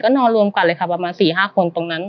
นอนรวมกันเลยค่ะประมาณ๔๕คนตรงนั้น